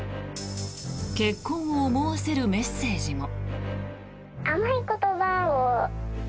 結婚を思わせるメッセージも。